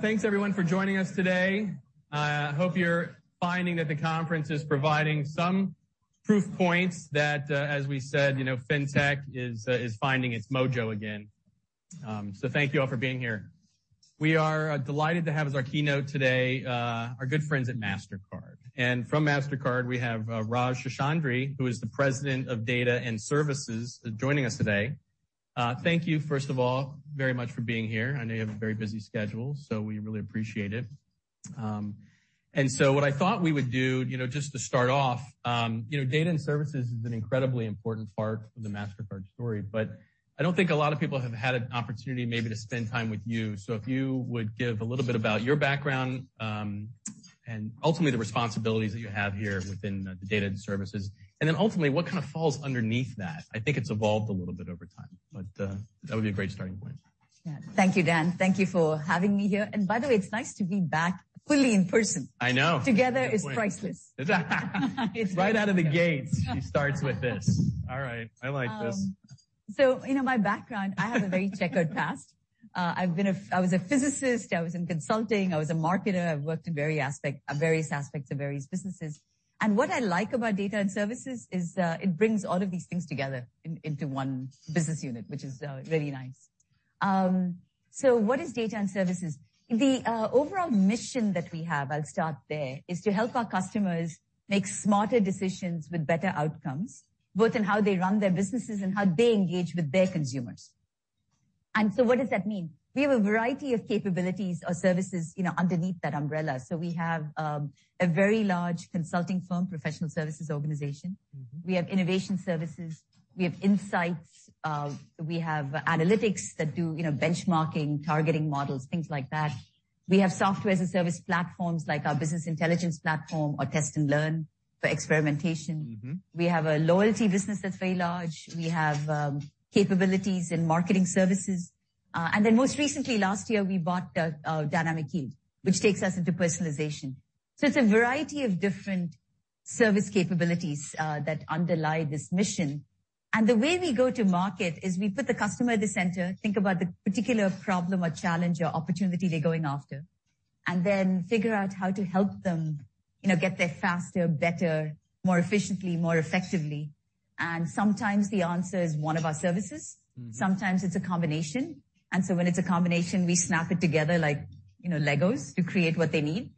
Thanks everyone for joining us today. I hope you're finding that the conference is providing some proof points that, as we said, you know, Fintech is finding its mojo again. Thank you all for being here. We are delighted to have as our keynote today, our good friends at Mastercard. From Mastercard, we have Raj Seshadri, who is the President of Data & Services, joining us today. Thank you, first of all, very much for being here. I know you have a very busy schedule, so we really appreciate it. What I thought we would do, you know, just to start off, you know, Data & Services is an incredibly important part of the Mastercard story, but I don't think a lot of people have had an opportunity maybe to spend time with you. If you would give a little bit about your background, and ultimately, the responsibilities that you have here within the Data & Services, and then ultimately, what kind of falls underneath that. I think it's evolved a little bit over time, but, that would be a great starting point. Yeah. Thank you, Dan. Thank you for having me here. By the way, it's nice to be back fully in person. I know. Together is priceless. Right out of the gates, she starts with this. All right, I like this. You know, my background, I have a very checkered past. I was a physicist, I was in consulting, I was a marketer. I've worked in various aspects of various businesses. What I like about Data & Services is, it brings all of these things together into one business unit, which is really nice. What is Data & Services? The overall mission that we have, I'll start there, is to help our customers make smarter decisions with better outcomes, both in how they run their businesses and how they engage with their consumers. What does that mean? We have a variety of capabilities or services, you know, underneath that umbrella. We have a very large consulting firm, professional services organization. We have innovation services, we have insights, we have analytics that do, you know, benchmarking, targeting models, things like that. We have software as a service platforms, like our business intelligence platform or Test & Learn for experimentation. Mm-hmm. We have a loyalty business that's very large. We have capabilities in marketing services. Most recently, last year, we bought Dynamic Yield, which takes us into personalization. It's a variety of different service capabilities that underlie this mission. The way we go to market is we put the customer at the center, think about the particular problem or challenge or opportunity they're going after, and then figure out how to help them, you know, get there faster, better, more efficiently, more effectively. Sometimes the answer is one of our services. Mm. Sometimes it's a combination. When it's a combination, we snap it together like, you know, Legos to create what they need.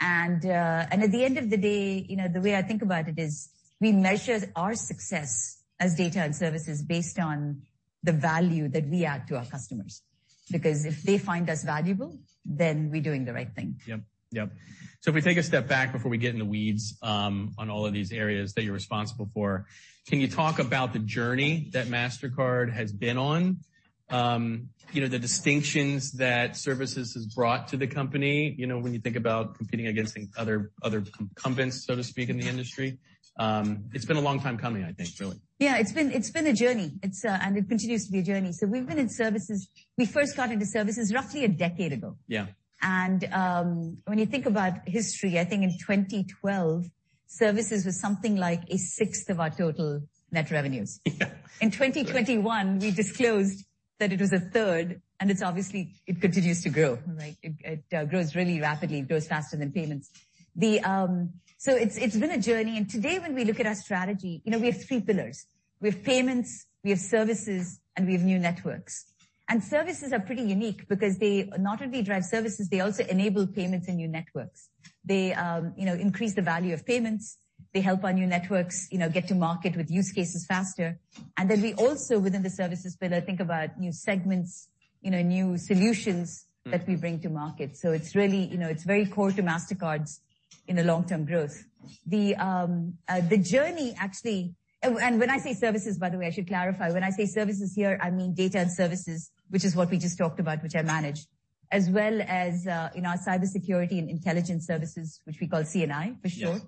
At the end of the day, you know, the way I think about it is, we measure our success as Data & Services based on the value that we add to our customers. If they find us valuable, then we're doing the right thing. Yep. Yep. If we take a step back before we get in the weeds, on all of these areas that you're responsible for, can you talk about the journey that Mastercard has been on? You know, the distinctions that Services has brought to the company, you know, when you think about competing against other incumbents, so to speak, in the industry? It's been a long time coming, I think, really. Yeah, it's been a journey. It's, it continues to be a journey. We've been in services, we first got into services roughly a decade ago. Yeah. When you think about history, I think in 2012, services was something like a sixth of our total net revenues. Yeah. In 2021, we disclosed that it was a third, and it's obviously, it continues to grow, right? It grows really rapidly. It grows faster than payments. So it's been a journey, and today, when we look at our strategy, you know, we have three pillars. We have payments, we have services, and we have new networks. Services are pretty unique because they not only drive services, they also enable payments in new networks. They, you know, increase the value of payments, they help our new networks, you know, get to market with use cases faster. Then we also, within the services pillar, think about new segments, you know, new solutions. Mm that we bring to market. It's really, you know, it's very core to Mastercard's in the long-term growth. The journey, actually. When I say services, by the way, I should clarify. When I say services here, I mean Data & Services, which is what we just talked about, which I manage, as well as, you know, our cybersecurity and intelligence services, which we call C&I for short.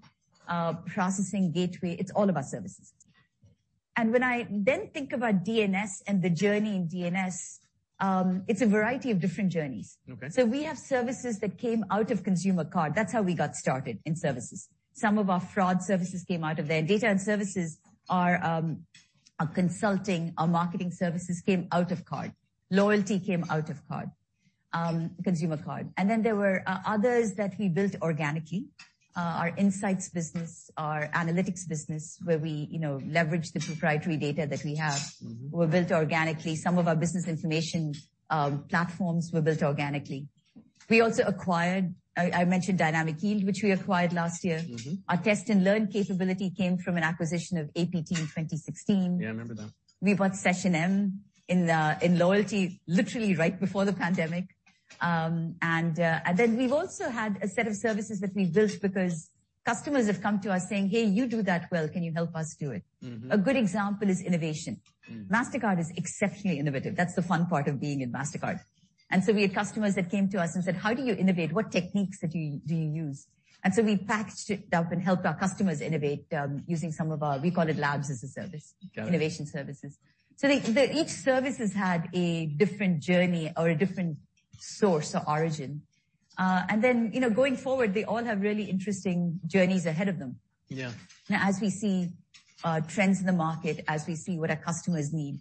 Yes. processing gateway, it's all about services. When I then think about D&S and the journey in D&S, it's a variety of different journeys. Okay. We have services that came out of consumer card. That's how we got started in services. Some of our fraud services came out of there. Data & Services, our consulting, our marketing services came out of card. Loyalty came out of card, consumer card. There were others that we built organically. Our insights business, our analytics business, where we, you know, leverage the proprietary data that we have. Mm-hmm. Were built organically. Some of our business information, platforms were built organically. We also acquired, I mentioned Dynamic Yield, which we acquired last year. Mm-hmm. Our Test & Learn capability came from an acquisition of APT in 2016. Yeah, I remember that. We bought SessionM in the, in loyalty, literally right before the pandemic. We've also had a set of services that we built because customers have come to us saying: "Hey, you do that well. Can you help us do it? Mm-hmm. A good example is innovation. Mm. Mastercard is exceptionally innovative. That's the fun part of being in Mastercard. We had customers that came to us and said: "How do you innovate? What techniques do you use?" We packaged it up and helped our customers innovate using some of our, we call it Labs as a Service. Got it. Innovation Services. The each service has had a different journey or a different source or origin. You know, going forward, they all have really interesting journeys ahead of them. Yeah. Now, trends in the market as we see what our customers need,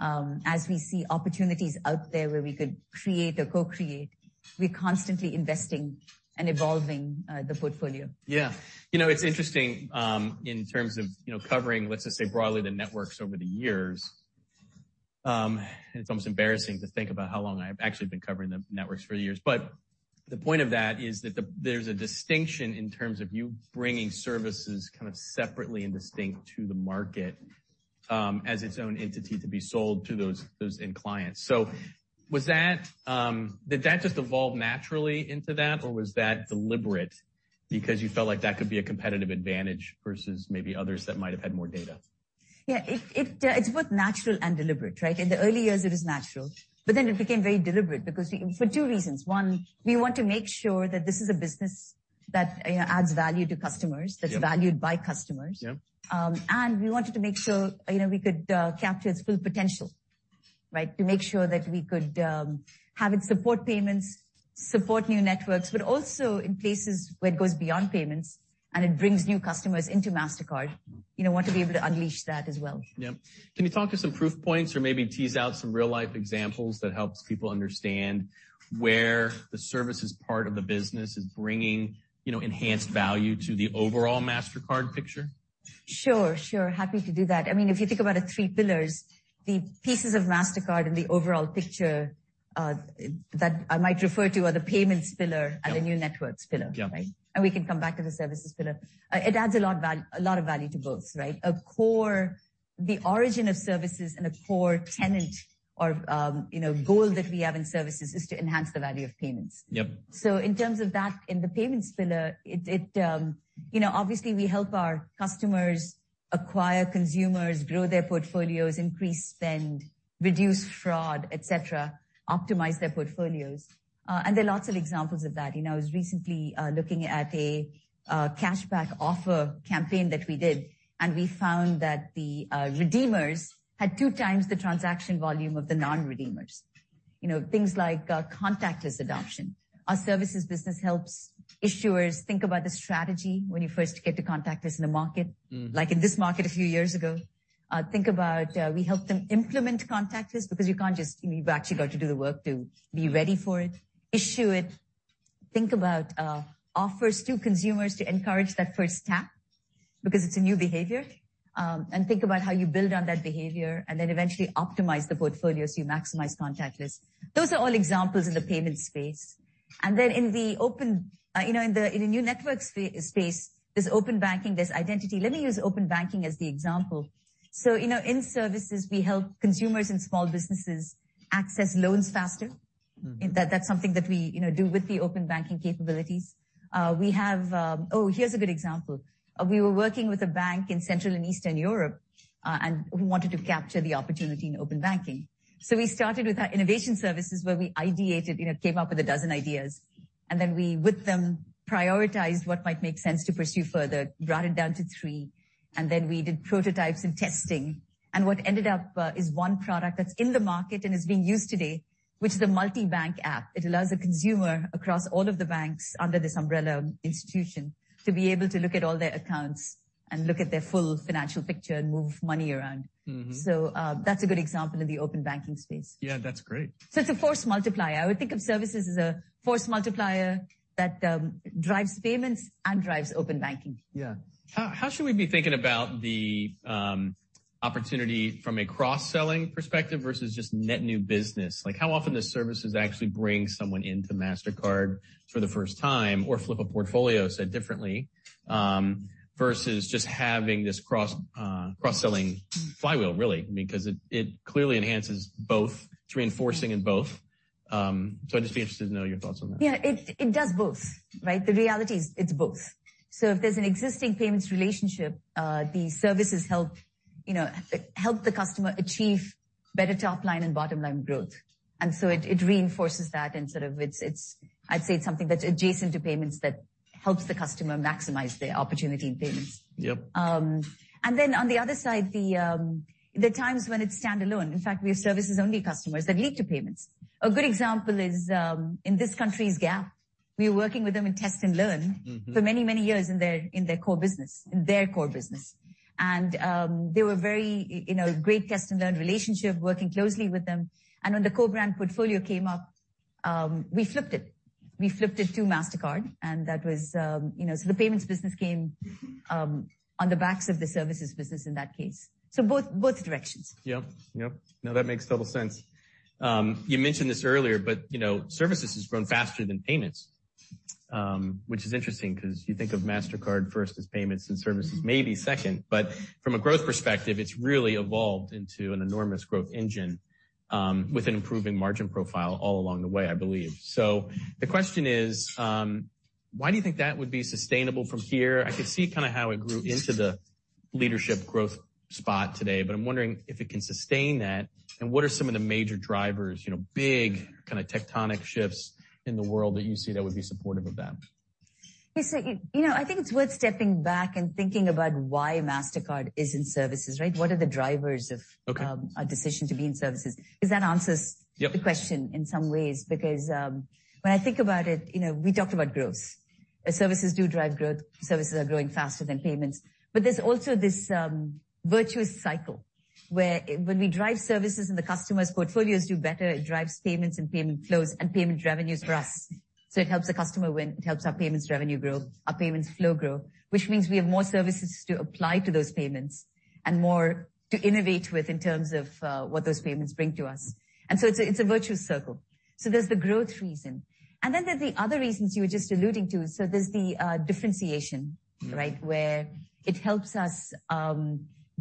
as we see opportunities out there where we could create or co-create, we're constantly investing and evolving, the portfolio. Yeah. You know, it's interesting, in terms of, you know, covering, let's just say, broadly, the networks over the years. It's almost embarrassing to think about how long I've actually been covering the networks for years. The point of that is that there's a distinction in terms of you bringing services kind of separately and distinct to the market, as its own entity to be sold to those end clients. Was that, did that just evolve naturally into that, or was that deliberate because you felt like that could be a competitive advantage versus maybe others that might have had more data? Yeah, it's both natural and deliberate, right? In the early years, it was natural, but then it became very deliberate because For two reasons: one, we want to make sure that this is a business that, you know, adds value to customers. Yep. That's valued by customers. Yep. We wanted to make sure, you know, we could capture its full potential, right? To make sure that we could have it support payments, support new networks, but also in places where it goes beyond payments and it brings new customers into Mastercard. You know, want to be able to unleash that as well. Yep. Can you talk to some proof points or maybe tease out some real-life examples that helps people understand where the services part of the business is bringing, you know, enhanced value to the overall Mastercard picture? Sure. Happy to do that. I mean, if you think about the three pillars, the pieces of Mastercard and the overall picture, that I might refer to are the payments pillar- Yep. The new networks pillar. Yep. We can come back to the services pillar. It adds a lot of value to both, right? A core, the origin of services and a core tenet or, you know, goal that we have in services is to enhance the value of payments. Yep. In terms of that, in the payments pillar, it, you know, obviously, we help our customers acquire consumers, grow their portfolios, increase spend, reduce fraud, et cetera, optimize their portfolios. There are lots of examples of that. You know, I was recently looking at a cashback offer campaign that we did, and we found that the redeemers had 2 times the transaction volume of the non-redeemers. You know, things like contactless adoption. Our services business helps issuers think about the strategy when you first get to contactless in the market. Mm Like in this market a few years ago, think about, we helped them implement contactless because you've actually got to do the work to be ready for it, issue it, think about offers to consumers to encourage that first tap, because it's a new behavior. Think about how you build on that behavior and then eventually optimize the portfolio so you maximize contactless. Those are all examples in the payments space. Then in the open, you know, in the, in the new networks space, there's open banking, there's identity. Let me use open banking as the example. You know, in services, we help consumers and small businesses access loans faster. Mm. That's something that we, you know, do with the open banking capabilities. We have. Oh, here's a good example. We were working with a bank in Central and Eastern Europe, and we wanted to capture the opportunity in open banking. We started with our innovation services, where we ideated, you know, came up with 12 ideas, and then we, with them, prioritized what might make sense to pursue further, brought it down to three, and then we did prototypes and testing. What ended up is one product that's in the market and is being used today, which is a multi-bank app. It allows the consumer across all of the banks under this umbrella institution to be able to look at all their accounts and look at their full financial picture and move money around. Mm-hmm. That's a good example of the open banking space. Yeah, that's great. It's a force multiplier. I would think of services as a force multiplier that drives payments and drives open banking. How should we be thinking about the opportunity from a cross-selling perspective versus just net new business? Like, how often does services actually bring someone into Mastercard for the first time or flip a portfolio, said differently, versus just having this cross cross-selling flywheel, really? It, it clearly enhances both. It's reinforcing in both. I'd just be interested to know your thoughts on that. Yeah, it does both, right? The reality is, it's both. If there's an existing payments relationship, the services help, you know, help the customer achieve better top line and bottom line growth. It reinforces that and sort of I'd say it's something that's adjacent to payments that helps the customer maximize their opportunity in payments. Yep. On the other side, the times when it's standalone, in fact, we have services-only customers that lead to payments. A good example is, in this country's Gap. We were working with them in Test & Learn. Mm-hmm. For many years in their core business. They were very, you know, great Test & Learn relationship, working closely with them. When the co-brand portfolio came up, we flipped it. We flipped it to Mastercard, and that was, you know, the payments business came on the backs of the services business in that case. Both directions. Yep. Yep. No, that makes total sense. You mentioned this earlier, you know, services has grown faster than payments, which is interesting because you think of Mastercard first as payments and services maybe second. From a growth perspective, it's really evolved into an enormous growth engine, with an improving margin profile all along the way, I believe. The question is, why do you think that would be sustainable from here? I could see kind of how it grew into the leadership growth spot today, but I'm wondering if it can sustain that, and what are some of the major drivers, you know, big kind of tectonic shifts in the world that you see that would be supportive of that? Yes, you know, I think it's worth stepping back and thinking about why Mastercard is in services, right? What are the drivers? Okay. Our decision to be in services? Because that answers- Yep The question in some ways, because, when I think about it, you know, we talked about growth. Services do drive growth. Services are growing faster than payments, but there's also this virtuous cycle. where when we drive services and the customer's portfolios do better, it drives payments and payment flows and payment revenues for us. It helps the customer win, it helps our payments revenue grow, our payments flow grow, which means we have more services to apply to those payments and more to innovate with in terms of what those payments bring to us. It's a, it's a virtuous circle. There's the growth reason, and then there are the other reasons you were just alluding to. There's the differentiation, right? Where it helps us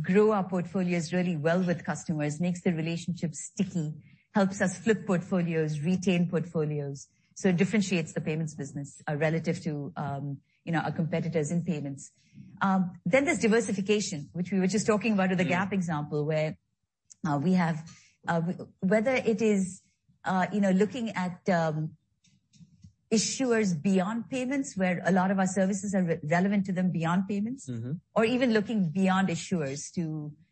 grow our portfolios really well with customers, makes the relationship sticky, helps us flip portfolios, retain portfolios. It differentiates the payments business relative to, you know, our competitors in payments. There's diversification, which we were just talking about with the Gap example, where we have, whether it is, you know, looking at, issuers beyond payments, where a lot of our services are relevant to them beyond payments. Mm-hmm. Or even looking beyond issuers to,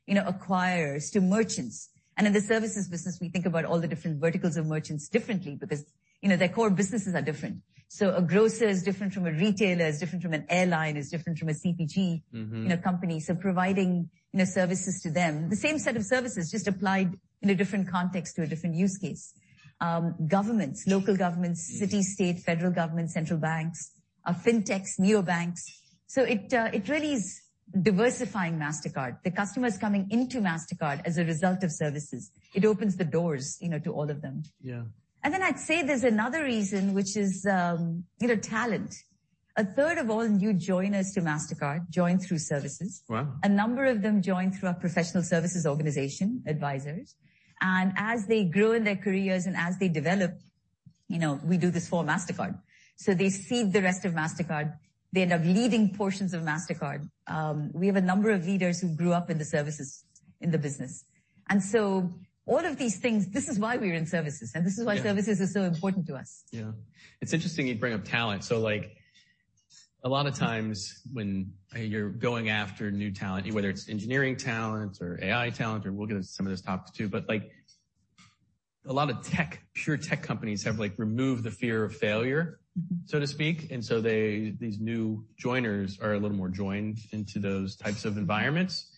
you know, acquirers, to merchants. In the services business, we think about all the different verticals of merchants differently because, you know, their core businesses are different. A grocer is different from a retailer, is different from an airline, is different from a CPG. Mm-hmm. You know, company. Providing, you know, services to them, the same set of services just applied in a different context to a different use case. Governments, local governments, city, state, federal governments, central banks, our fintechs, neobanks. It really is diversifying Mastercard. The customers coming into Mastercard as a result of services. It opens the doors, you know, to all of them. Yeah. I'd say there's another reason which is, you know, talent. A third of all new joiners to Mastercard join through services. Wow! A number of them join through our professional services organization, advisors. As they grow in their careers and as they develop, you know, we do this for Mastercard. They feed the rest of Mastercard. They end up leading portions of Mastercard. We have a number of leaders who grew up in the services, in the business. All of these things, this is why we're in services, and this is. Yeah. Why services are so important to us. Yeah. It's interesting you bring up talent. Like, a lot of times when you're going after new talent, whether it's engineering talent or AI talent, or we'll get into some of those topics, too. Like, a lot of tech, pure tech companies have, like, removed the fear of failure, so to speak. They, these new joiners are a little more joined into those types of environments.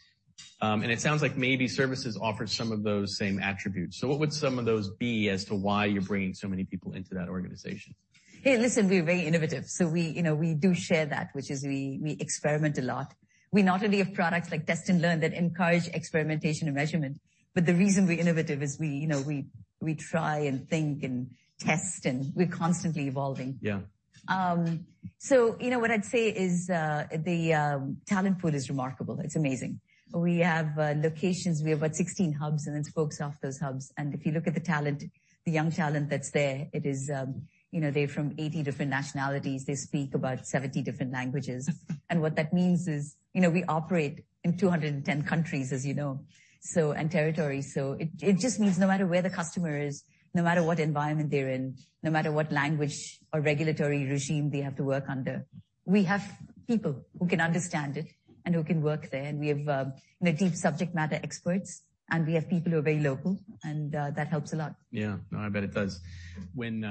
It sounds like maybe services offer some of those same attributes. What would some of those be as to why you're bringing so many people into that organization? Hey, listen, we're very innovative. We, you know, we do share that, which is we experiment a lot. We not only have products like Test & Learn that encourage experimentation and measurement. The reason we're innovative is we, you know, we try and think and test, and we're constantly evolving. Yeah. You know what I'd say is, the talent pool is remarkable. It's amazing. We have locations. We have about 16 hubs and then spokes off those hubs. If you look at the talent, the young talent that's there, it is, you know, they're from 80 different nationalities. They speak about 70 different languages. What that means is, you know, we operate in 210 countries, as you know, so, and territories. It just means no matter where the customer is, no matter what environment they're in, no matter what language or regulatory regime they have to work under, we have people who can understand it and who can work there. We have deep subject matter experts, and we have people who are very local, and that helps a lot. Yeah. No, I bet it does. When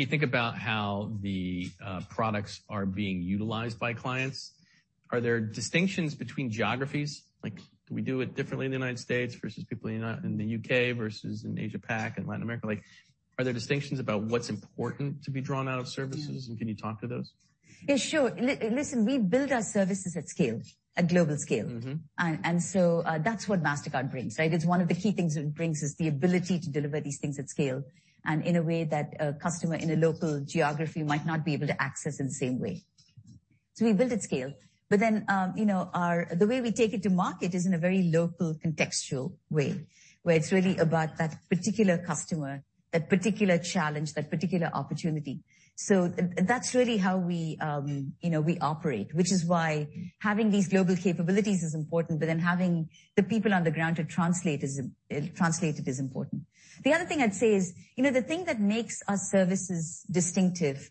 you think about how the products are being utilized by clients, are there distinctions between geographies? Like, do we do it differently in the United States versus people in the U.K. versus in Asia-Pac and Latin America? Like, are there distinctions about what's important to be drawn out of services? Yeah. Can you talk to those? Yeah, sure. Listen, we build our services at scale, at global scale. Mm-hmm. That's what Mastercard brings, right? It's one of the key things it brings, is the ability to deliver these things at scale and in a way that a customer in a local geography might not be able to access in the same way. We build at scale, you know, the way we take it to market is in a very local, contextual way, where it's really about that particular customer, that particular challenge, that particular opportunity. That's really how we, you know, we operate, which is why having these global capabilities is important, having the people on the ground to translate is translate it is important. The other thing I'd say is, you know, the thing that makes our services distinctive...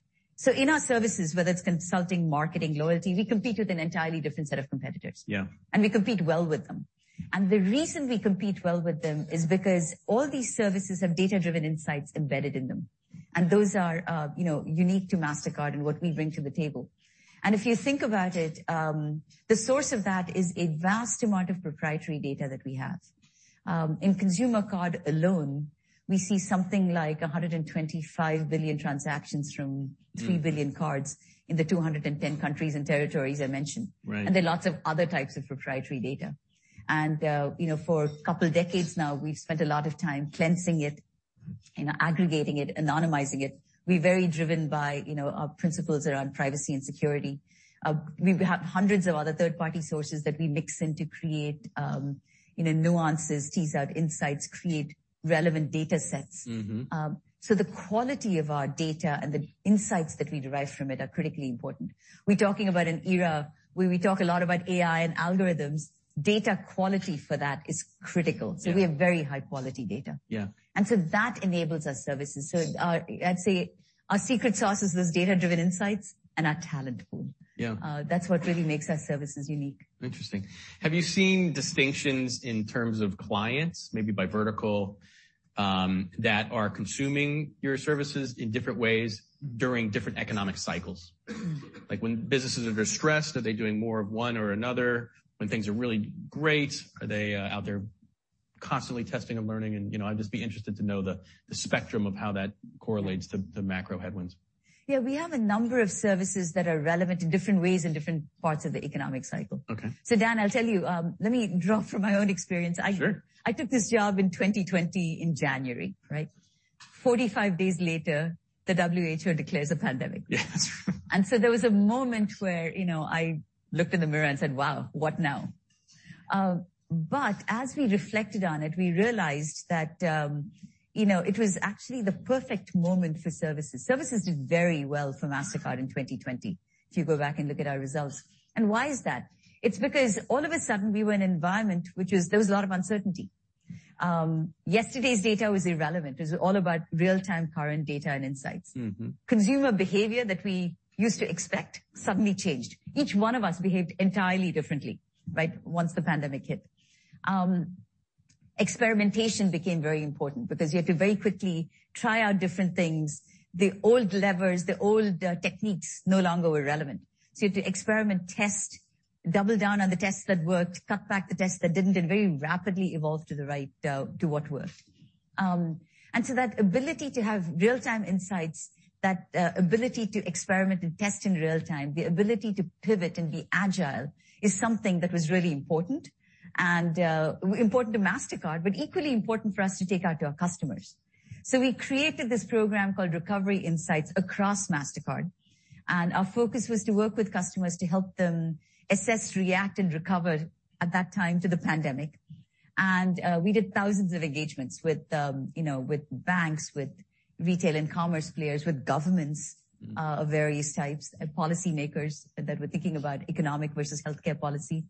In our services, whether it's consulting, marketing, loyalty, we compete with an entirely different set of competitors. Yeah. We compete well with them. The reason we compete well with them is because all these services have data-driven insights embedded in them, and those are, you know, unique to Mastercard and what we bring to the table. If you think about it, the source of that is a vast amount of proprietary data that we have. In consumer card alone, we see something like $125 billion transactions. 3 billion cards in the 210 countries and territories I mentioned. Right. There are lots of other types of proprietary data. You know, for a couple decades now, we've spent a lot of time cleansing it, you know, aggregating it, anonymizing it. We're very driven by, you know, our principles around privacy and security. We have hundreds of other third-party sources that we mix in to create, you know, nuances, tease out insights, create relevant data sets. Mm-hmm. The quality of our data and the insights that we derive from it are critically important. We're talking about an era where we talk a lot about AI and algorithms. Data quality for that is critical. Yeah. We have very high-quality data. Yeah. That enables our services. Our, I'd say our secret sauce is those data-driven insights and our talent pool. Yeah. That's what really makes our services unique. Interesting. Have you seen distinctions in terms of clients, maybe by vertical, that are consuming your services in different ways during different economic cycles? Mm-hmm. Like, when businesses are distressed, are they doing more of one or another? When things are really great, are they out there constantly testing and learning, and, you know, I'd just be interested to know the spectrum of how that correlates to the macro headwinds. We have a number of services that are relevant in different ways in different parts of the economic cycle. Okay. Dan, I'll tell you, let me draw from my own experience. Sure. I took this job in 2020 in January, right? 45 days later, the WHO declares a pandemic. Yes. There was a moment where, you know, I looked in the mirror and said, "Wow, what now?" As we reflected on it, we realized that, you know, it was actually the perfect moment for services. Services did very well for Mastercard in 2020, if you go back and look at our results. Why is that? It's because all of a sudden, we were in an environment which was there was a lot of uncertainty. Yesterday's data was irrelevant. It was all about real-time, current data and insights. Mm-hmm. Consumer behavior that we used to expect suddenly changed. Each one of us behaved entirely differently, right, once the pandemic hit. Experimentation became very important because you had to very quickly try out different things. The old levers, the old techniques, no longer were relevant. You had to experiment, test, double down on the tests that worked, cut back the tests that didn't, and very rapidly evolve to the right to what worked. That ability to have real-time insights, that ability to experiment and test in real time, the ability to pivot and be agile, is something that was really important and important to Mastercard, but equally important for us to take out to our customers. We created this program called Recovery Insights across Mastercard, and our focus was to work with customers to help them assess, react, and recover at that time to the pandemic. We did thousands of engagements with, you know, with banks, with retail and commerce players, with governments of various types, and policymakers that were thinking about economic versus healthcare policy.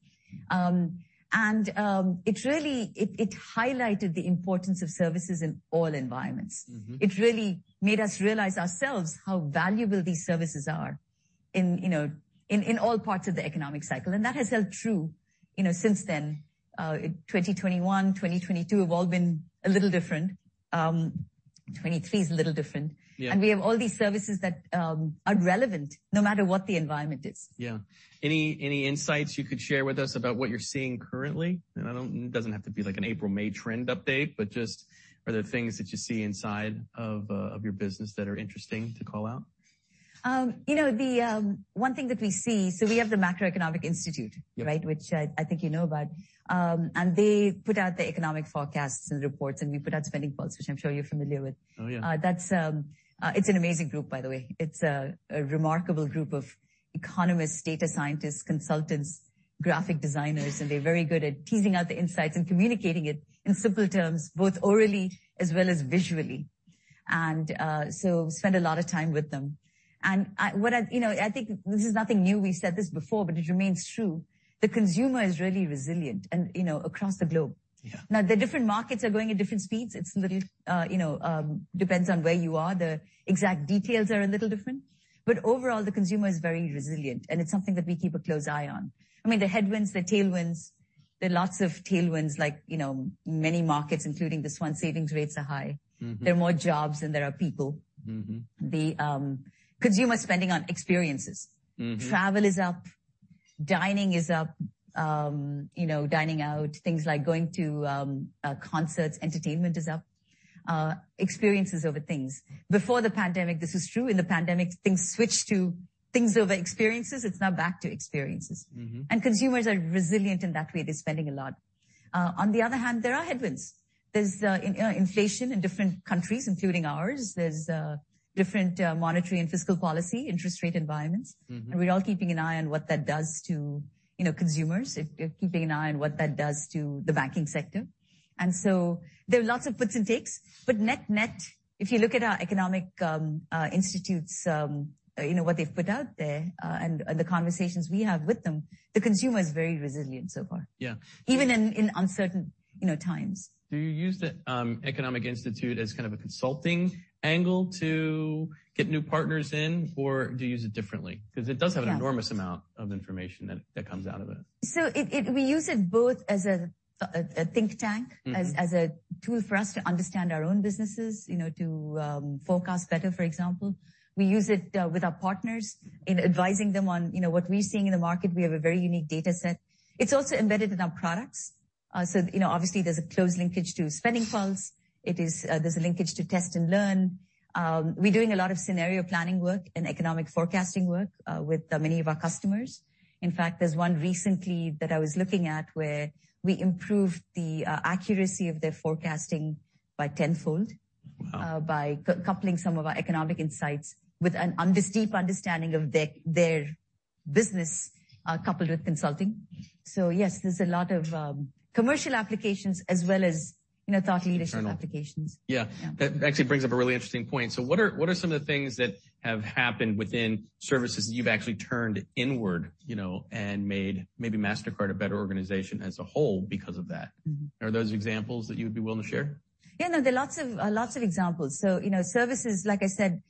It really, it highlighted the importance of services in all environments. Mm-hmm. It really made us realize ourselves how valuable these services are in, you know, in all parts of the economic cycle. That has held true, you know, since then. 2021, 2022 have all been a little different. 2023 is a little different. Yeah. We have all these services that are relevant no matter what the environment is. Yeah. Any insights you could share with us about what you're seeing currently? It doesn't have to be like an April-May trend update, but just are there things that you see inside of your business that are interesting to call out? you know, the one thing that we see, so we have the Mastercard Economics Institute- Yeah. right, which, I think you know about. They put out the economic forecasts and reports, and we put out Mastercard SpendingPulse, which I'm sure you're familiar with. Oh, yeah. It's an amazing group, by the way. It's a remarkable group of economists, data scientists, consultants, graphic designers, and they're very good at teasing out the insights and communicating it in simple terms, both orally as well as visually. So spend a lot of time with them. What I, you know, I think this is nothing new. We've said this before, but it remains true. The consumer is really resilient, and, you know, across the globe. Yeah. The different markets are growing at different speeds. It's a little, you know, depends on where you are. The exact details are a little different, but overall, the consumer is very resilient, and it's something that we keep a close eye on. I mean, the headwinds, the tailwinds, there are lots of tailwinds, like, you know, many markets, including this one, savings rates are high. Mm-hmm. There are more jobs than there are people. Mm-hmm. The consumer spending on experiences. Mm-hmm. Travel is up, dining is up, you know, dining out, things like going to concerts, entertainment is up. Experiences over things. Before the pandemic, this was true. In the pandemic, things switched to things over experiences. It's now back to experiences. Mm-hmm. Consumers are resilient in that way. They're spending a lot. On the other hand, there are headwinds. There's, you know, inflation in different countries, including ours. There's different monetary and fiscal policy, interest rate environments. Mm-hmm. We're all keeping an eye on what that does to, you know, consumers, we're keeping an eye on what that does to the banking sector. There are lots of puts and takes, but net-net, if you look at our Mastercard Economics Institute's, you know, what they've put out there, and the conversations we have with them, the consumer is very resilient so far. Yeah. Even in uncertain, you know, times. Do you use the Mastercard Economics Institute as kind of a consulting angle to get new partners in, or do you use it differently? Yeah. 'Cause it does have an enormous amount of information that comes out of it. It we use it both as a think tank. Mm-hmm As a tool for us to understand our own businesses, you know, to forecast better, for example. We use it with our partners in advising them on, you know, what we're seeing in the market. We have a very unique data set. It's also embedded in our products. so, you know, obviously, there's a close linkage to SpendingPulse. It is, there's a linkage to Test & Learn. We're doing a lot of scenario planning work and economic forecasting work with many of our customers. In fact, there's one recently that I was looking at where we improved the accuracy of their forecasting by 10-fold. Wow! By co-coupling some of our economic insights with a steep understanding of their business, coupled with consulting. Yes, there's a lot of commercial applications as well as, you know, thought leadership applications. Internal. Yeah. Yeah. That actually brings up a really interesting point. What are some of the things that have happened within services that you've actually turned inward, you know, and made maybe Mastercard a better organization as a whole because of that? Mm-hmm. Are those examples that you would be willing to share? Yeah, no, there are lots of examples. You know, services, like I said,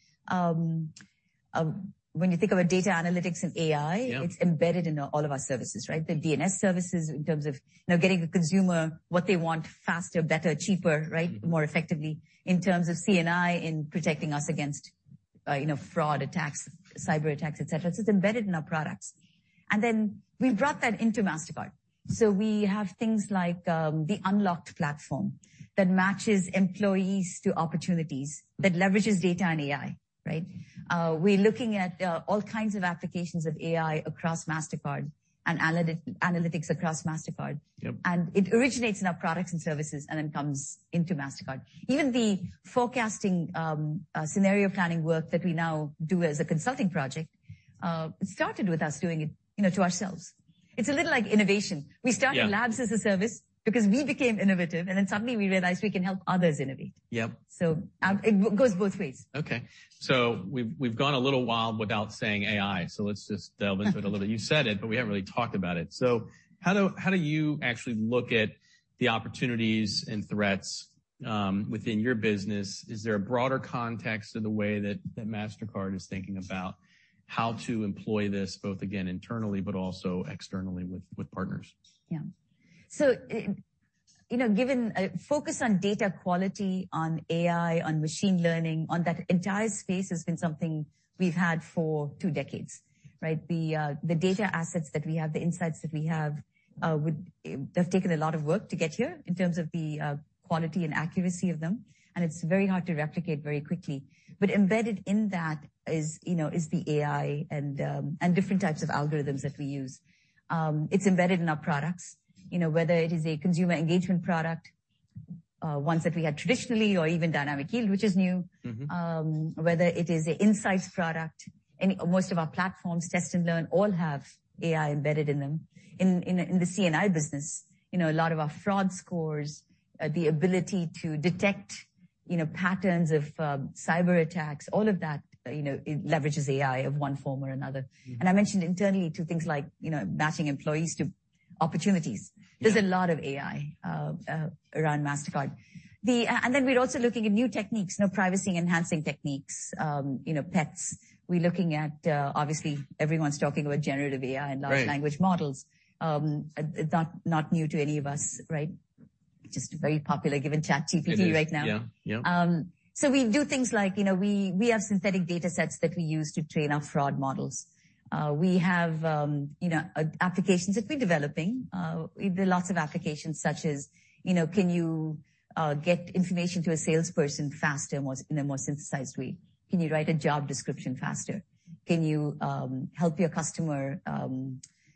when you think about data analytics and AI. Yeah It's embedded in all of our services, right? The D&S services, in terms of, you know, getting the consumer what they want faster, better, cheaper, right, more effectively. In terms of C&I, in protecting us against, you know, fraud attacks, cyber attacks, et cetera. It's embedded in our products. Then we've brought that into Mastercard. We have things like, the Unlocked platform, that matches employees to opportunities, that leverages data and AI, right? We're looking at all kinds of applications of AI across Mastercard and analytics across Mastercard. Yep. It originates in our products and services, and then comes into Mastercard. Even the forecasting, scenario planning work that we now do as a consulting project, it started with us doing it, you know, to ourselves. It's a little like innovation. Yeah. We started Labs as a Service because we became innovative, and then suddenly we realized we can help others innovate. Yep. it goes both ways. Okay. We've gone a little while without saying AI, so let's just delve into it a little. You said it, but we haven't really talked about it. How do you actually look at the opportunities and threats within your business? Is there a broader context to the way that Mastercard is thinking about how to employ this, both, again, internally, but also externally with partners? Yeah. You know, given a focus on data quality, on AI, on machine learning, on that entire space has been something we've had for two decades, right? The data assets that we have, the insights that we have, They've taken a lot of work to get here in terms of the quality and accuracy of them, and it's very hard to replicate very quickly. Embedded in that is, you know, is the AI and different types of algorithms that we use. It's embedded in our products, you know, whether it is a consumer engagement product, ones that we had traditionally or even Dynamic Yield, which is new. Mm-hmm. Whether it is a insights product, most of our platforms, Test & Learn, all have AI embedded in them. In the C&I business, you know, a lot of our fraud scores, the ability to detect, you know, patterns of, cyber attacks, all of that, you know, it leverages AI of one form or another. Mm. I mentioned internally to things like, you know, matching employees to opportunities. Yeah. There's a lot of AI around Mastercard. We're also looking at new techniques, you know, privacy-enhancing techniques, you know, PETs. We're looking at, obviously, everyone's talking about generative AI. Right And large language models. not new to any of us, right? Just very popular, given ChatGPT right now. It is, yeah. Yep. We do things like, you know, we have synthetic data sets that we use to train our fraud models. We have, you know, applications that we're developing. There are lots of applications such as, you know, can you get information to a salesperson faster, more, in a more synthesized way? Can you write a job description faster? Can you help your customer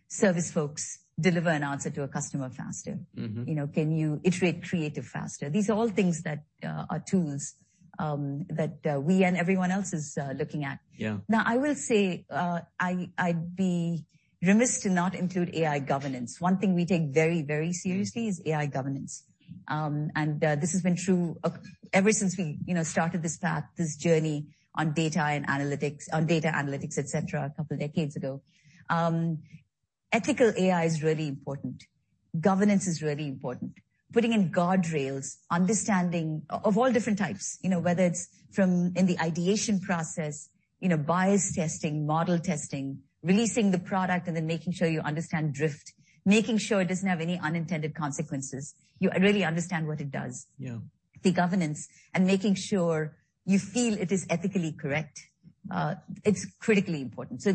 service folks deliver an answer to a customer faster? Mm-hmm. You know, can you iterate creative faster? These are all things that are tools that we and everyone else is looking at. Yeah. I will say, I'd be remiss to not include AI governance. One thing we take very seriously. Mm Is AI governance. This has been true ever since we, you know, started this path, this journey on data and analytics, on data analytics, et cetera, a couple of decades ago. Ethical AI is really important. Governance is really important. Putting in guardrails, understanding of all different types, you know, whether it's from in the ideation process, you know, bias testing, model testing, releasing the product, and then making sure you understand drift, making sure it doesn't have any unintended consequences. You really understand what it does. Yeah. The governance and making sure you feel it is ethically correct, it's critically important.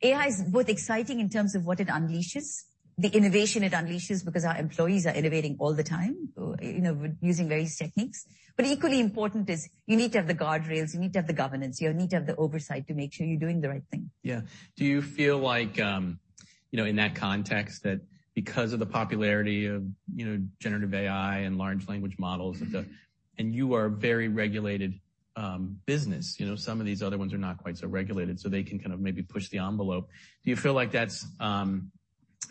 AI is both exciting in terms of what it unleashes, the innovation it unleashes, because our employees are innovating all the time, you know, using various techniques. Equally important is you need to have the guardrails, you need to have the governance, you need to have the oversight to make sure you're doing the right thing. Yeah. Do you feel like, you know, in that context, that because of the popularity of, you know, generative AI and large language models and stuff, and you are a very regulated, business, you know, some of these other ones are not quite so regulated, so they can kind of maybe push the envelope. Do you feel like that's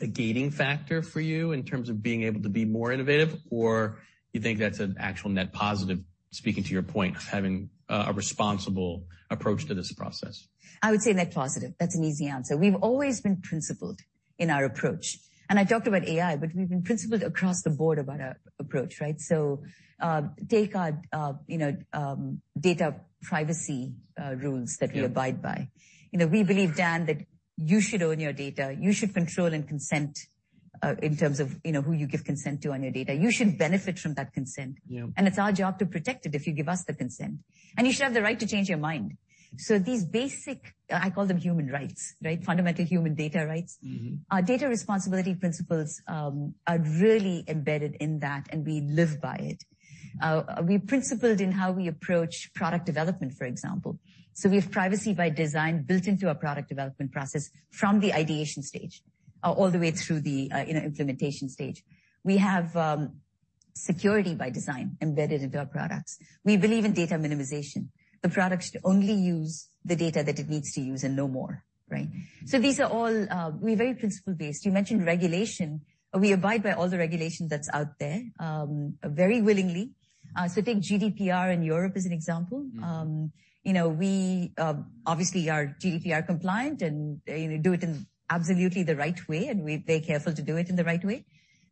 a gating factor for you in terms of being able to be more innovative? Or you think that's an actual net positive, speaking to your point of having a responsible approach to this process? I would say net positive. That's an easy answer. We've always been principled in our approach, and I talked about AI, but we've been principled across the board about our approach, right? Take our, you know, data privacy, rules. Yeah That we abide by. You know, we believe, Dan, that you should own your data. You should control and consent, in terms of, you know, who you give consent to on your data. You should benefit from that consent. Yeah. It's our job to protect it if you give us the consent. You should have the right to change your mind. These basic, I call them human rights, right? Fundamental human data rights. Mm-hmm. Our data responsibility principles are really embedded in that. We live by it. We're principled in how we approach product development, for example. We have privacy by design built into our product development process from the ideation stage, all the way through the, you know, implementation stage. We have security by design embedded into our products. We believe in data minimization. The product should only use the data that it needs to use and no more, right? These are all, we're very principle-based. You mentioned regulation. We abide by all the regulation that's out there very willingly. Take GDPR in Europe as an example. Mm. You know, we obviously are GDPR compliant and, you know, do it in absolutely the right way, and we be careful to do it in the right way.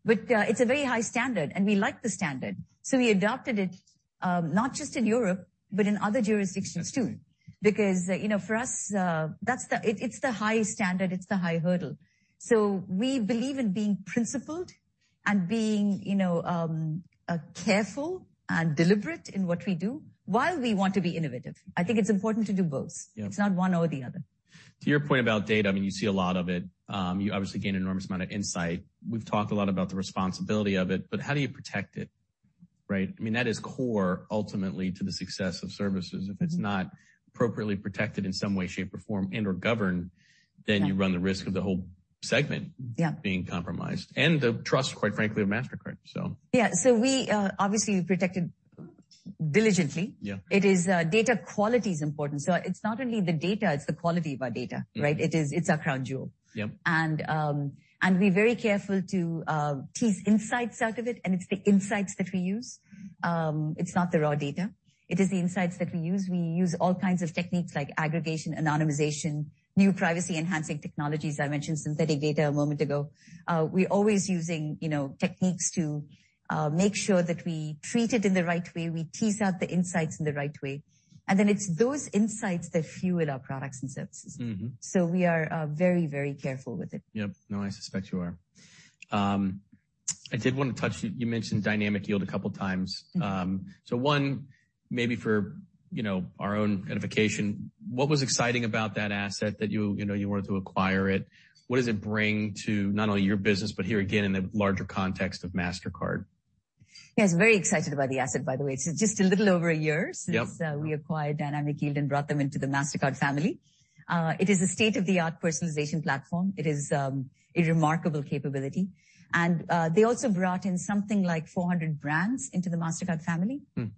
It's a very high standard, and we like the standard, so we adopted it not just in Europe, but in other jurisdictions, too. Mm. You know, for us, it's the highest standard, it's the high hurdle. We believe in being principled and being, you know, careful and deliberate in what we do while we want to be innovative. I think it's important to do both. Yeah. It's not one or the other. To your point about data, I mean, you see a lot of it. You obviously gain an enormous amount of insight. We've talked a lot about the responsibility of it, but how do you protect it, right? I mean, that is core ultimately, to the success of services. If it's not appropriately protected in some way, shape, or form and, or governed- Yeah You run the risk of the whole segment. Yeah Being compromised and the trust, quite frankly, of Mastercard, so. Yeah. Obviously, we protect it diligently. Yeah. It is. Data quality is important. It's not only the data, it's the quality of our data, right? Mm-hmm. It is, it's our crown jewel. Yep. We're very careful to tease insights out of it, and it's the insights that we use. It's not the raw data. It is the insights that we use. We use all kinds of techniques like aggregation, anonymization, new Privacy-Enhancing Technologies. I mentioned synthetic data a moment ago. We're always using, you know, techniques to make sure that we treat it in the right way. We tease out the insights in the right way, and then it's those insights that fuel our products and services. Mm-hmm. We are, very, very careful with it. Yep. No, I suspect you are. I did wanna touch, you mentioned Dynamic Yield a couple of times. Mm-hmm. One, maybe for, you know, our own edification, what was exciting about that asset that you know, you wanted to acquire it? What does it bring to not only your business, but here again, in the larger context of Mastercard? Yes, very excited about the asset, by the way. It's just a little over a year. Yep Since we acquired Dynamic Yield and brought them into the Mastercard family. It is a state-of-the-art personalization platform. It is a remarkable capability. They also brought in something like 400 brands into the Mastercard family. Mm.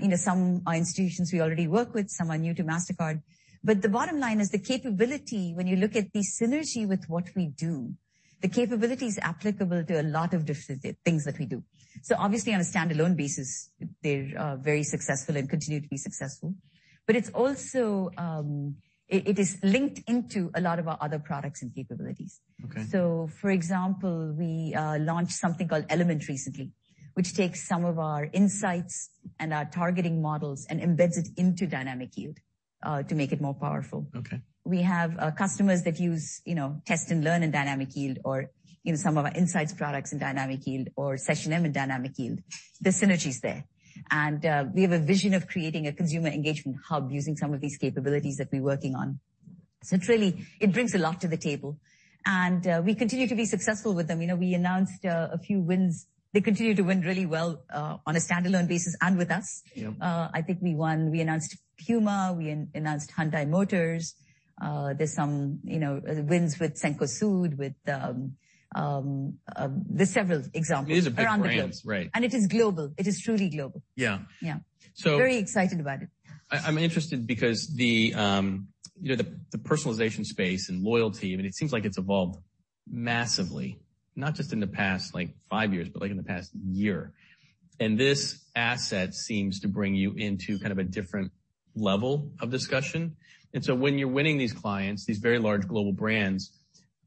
You know, some are institutions we already work with, some are new to Mastercard. The bottom line is the capability, when you look at the synergy with what we do, the capability is applicable to a lot of different things that we do. Obviously, on a standalone basis, they're very successful and continue to be successful. It's also, it is linked into a lot of our other products and capabilities. Okay. For example, we, launched something called Element recently, which takes some of our insights and our targeting models and embeds it into Dynamic Yield, to make it more powerful. Okay. We have, customers that use, you know, Test & Learn in Dynamic Yield or, you know, some of our insights products in Dynamic Yield or SessionM in Dynamic Yield. The synergy is there. We have a vision of creating a consumer engagement hub using some of these capabilities that we're working on. It really, it brings a lot to the table, and, we continue to be successful with them. You know, we announced, a few wins. They continue to win really well, on a standalone basis and with us. Yep. I think we won. We announced Puma, we announced Hyundai Motors. There's some, you know, wins with Cencosud, with, there's several examples. It is a big brand, right? It is global. It is truly global. Yeah. Yeah. So- Very excited about it. I'm interested because the, you know, the personalization space and loyalty, I mean, it seems like it's evolved massively, not just in the past, like, five years, but like in the past year. This asset seems to bring you into kind of a different level of discussion. When you're winning these clients, these very large global brands,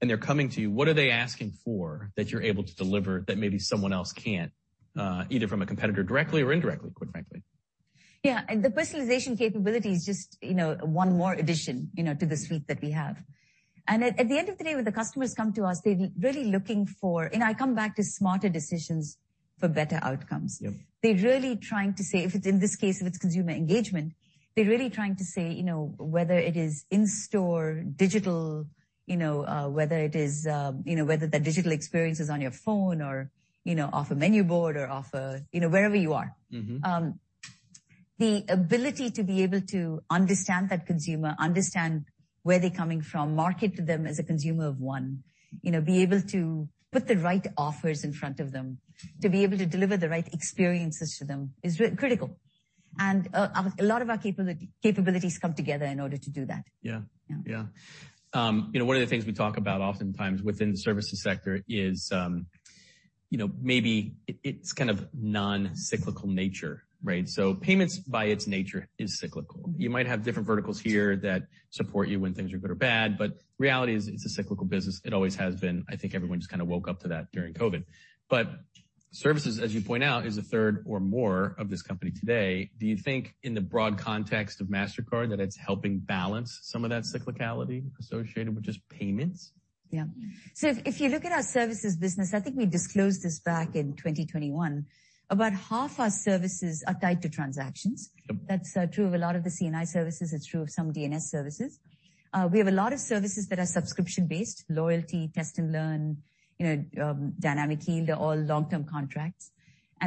and they're coming to you, what are they asking for that you're able to deliver that maybe someone else can't, either from a competitor, directly or indirectly, quite frankly? Yeah. The personalization capability is just, you know, one more addition, you know, to the suite that we have. At the end of the day, when the customers come to us, they're really looking for. I come back to smarter decisions for better outcomes. Yep. They're really trying to say, if it's in this case, if it's consumer engagement, they're really trying to say, you know, whether it is in-store, digital, you know, whether it is, you know, whether that digital experience is on your phone or, you know, off a menu board or off a, you know, wherever you are. Mm-hmm. The ability to be able to understand that consumer, understand where they're coming from, market to them as a consumer of one, you know, be able to put the right offers in front of them, to be able to deliver the right experiences to them is critical. A lot of our capabilities come together in order to do that. Yeah. Yeah. Yeah. You know, one of the things we talk about oftentimes within the services sector is, you know, maybe it's kind of non-cyclical nature, right? Payments by its nature is cyclical. You might have different verticals here that support you when things are good or bad, but reality is, it's a cyclical business. It always has been. I think everyone just kind of woke up to that during COVID. Services, as you point out, is a third or more of this company today. Do you think in the broad context of Mastercard, that it's helping balance some of that cyclicality associated with just payments? Yeah. If you look at our services business, I think we disclosed this back in 2021, about half our services are tied to transactions. Yep. That's true of a lot of the C&I services, it's true of some D&S services. We have a lot of services that are subscription-based, loyalty, Test & Learn, you know, Dynamic Yield, they're all long-term contracts.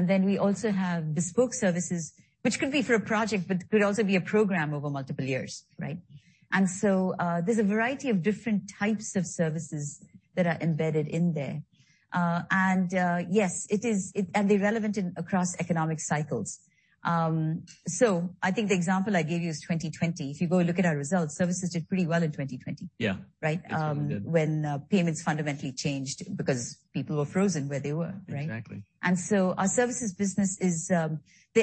We also have bespoke services, which could be for a project, but could also be a program over multiple years, right? There's a variety of different types of services that are embedded in there. Yes, it is, and they're relevant in across economic cycles. I think the example I gave you is 2020. If you go look at our results, services did pretty well in 2020. Yeah. Right? It did. When payments fundamentally changed because people were frozen where they were, right? Exactly. Our services business is, there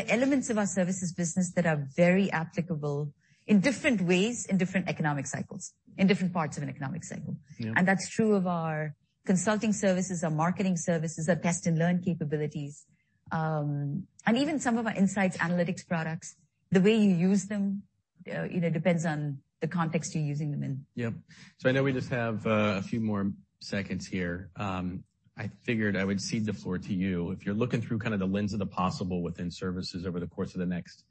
are elements of our services business that are very applicable in different ways, in different economic cycles, in different parts of an economic cycle. Yeah. That's true of our consulting services, our marketing services, our Test & Learn capabilities, and even some of our insights, analytics products. The way you use them. You know, it depends on the context you're using them in. Yep. I know we just have a few more seconds here. I figured I would cede the floor to you. If you're looking through kind of the lens of the possible within services over the course of the next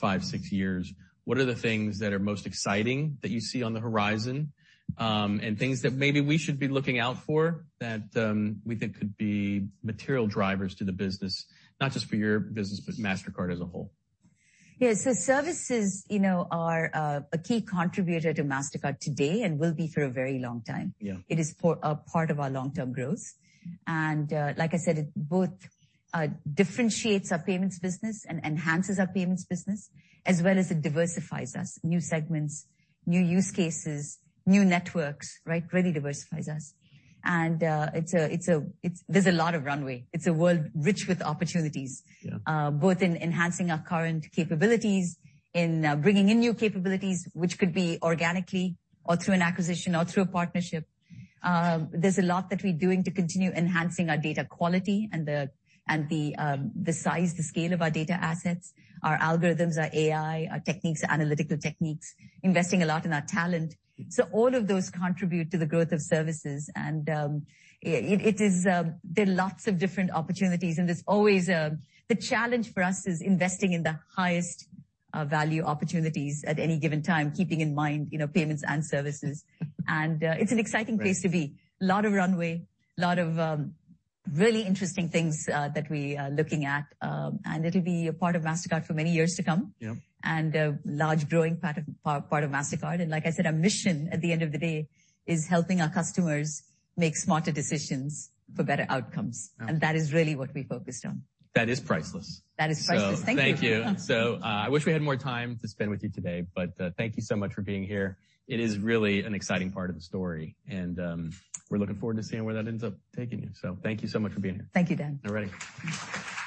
five, six years, what are the things that are most exciting that you see on the horizon, and things that maybe we should be looking out for that, we think could be material drivers to the business, not just for your business, but Mastercard as a whole? Yeah. services, you know, are a key contributor to Mastercard today and will be for a very long time. Yeah. It is a part of our long-term growth, and like I said, it both differentiates our payments business and enhances our payments business, as well as it diversifies us. New segments, new use cases, new networks, right? Really diversifies us. It's a, it's there's a lot of runway. It's a world rich with opportunities. Yeah Both in enhancing our current capabilities, in bringing in new capabilities, which could be organically or through an acquisition or through a partnership. There's a lot that we're doing to continue enhancing our data quality and the size, the scale of our data assets, our algorithms, our AI, our techniques, analytical techniques, investing a lot in our talent. All of those contribute to the growth of services, and it is there are lots of different opportunities, and there's always the challenge for us is investing in the highest value opportunities at any given time, keeping in mind, you know, payments and services. It's an exciting place to be. Right. A lot of runway, a lot of, really interesting things, that we are looking at. It'll be a part of Mastercard for many years to come. Yep. A large growing part of Mastercard. Like I said, our mission at the end of the day, is helping our customers make smarter decisions for better outcomes. Yeah. That is really what we're focused on. That is priceless. That is priceless. Thank you. I wish we had more time to spend with you today, but, thank you so much for being here. It is really an exciting part of the story, and, we're looking forward to seeing where that ends up taking you. Thank you so much for being here. Thank you, Dan. All right.